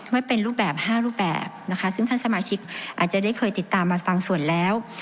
ไว้เป็นรูปแบบ๕รูปแบบนะคะซึ่งท่านสมาชิกอาจจะได้เคยติดตามมาบางส่วนแล้ว